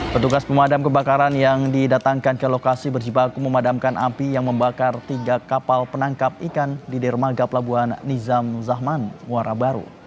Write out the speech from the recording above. petugas pemadam kebakaran yang didatangkan ke lokasi berjibaku memadamkan api yang membakar tiga kapal penangkap ikan di dermaga pelabuhan nizam zahman muara baru